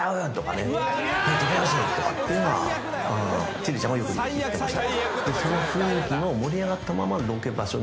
「千里ちゃんはよく言ってくれました」